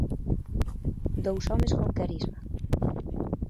Dous homes con carisma.